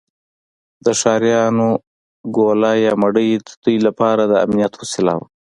د ښکاریانو ګوله یا مړۍ د دوی لپاره د امنیت وسیله وه.